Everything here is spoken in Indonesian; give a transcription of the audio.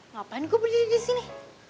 ngapain gue berdiri disini